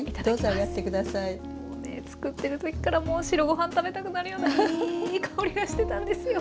作ってる時からもう白ご飯食べたくなるようないい香りがしてたんですよ。